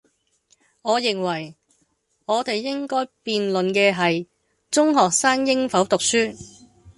我認為，我哋應該辯論嘅係，中學生應否讀書?